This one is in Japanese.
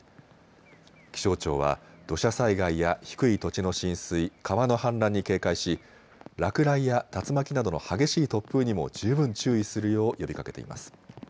気象庁は土砂災害や低い土地の浸水、川の氾濫に警戒し落雷や竜巻などの激しい突風にも十分注意するよう呼びかけています。